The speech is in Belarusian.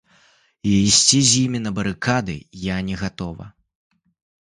І ісці з імі на барыкады я не гатова.